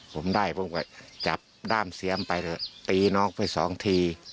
ผมได้จับด้ามเสียมไปตีน้องไปสองที